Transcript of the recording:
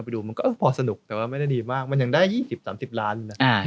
พอสนุกแต่ไม่ได้ดีมากมันยังได้๒๐๓๐ล้าน